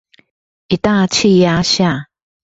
一大氣壓下